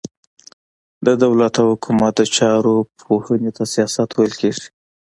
د دولت او حکومت د چارو پوهي ته سياست ويل کېږي.